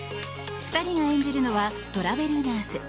２人が演じるのはトラベルナース。